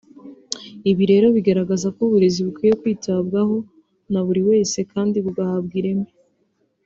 Ibi rero bigaragaza ko uburezi bukwiye kwitabwaho na buri wese kandi bugahabwa ireme